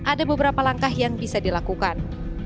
ada beberapa langkah yang bisa dilakukan